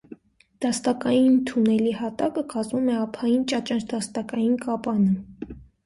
Դաստակային թունելի հատակը կազմում է ափային ճաճանչ-դաստակային կապանը: